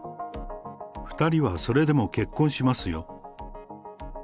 ２人はそれでも結婚しますよ。